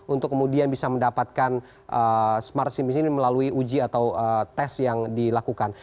untuk kemudian bisa mendapatkan smart sim di sini melalui uji atau tes yang dilakukan